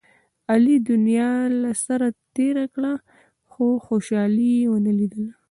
علي دنیا له سره تېره کړه، خو خوشحالي یې و نه لیدله.